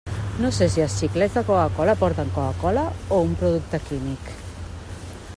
No sé si els xiclets de Coca-cola porten Coca-cola o un producte químic.